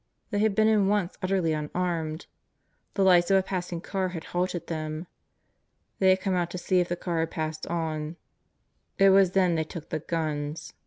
They had been in once utterly unarmed. The lights of a passing car had halted them. They had come out to see if the car had passed on. It was then they took the guns.